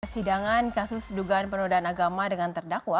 persidangan kasus dugaan penodaan agama dengan terdakwa